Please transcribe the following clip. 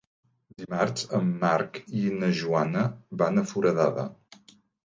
Dimarts en Marc i na Joana van a Foradada.